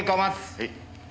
はい。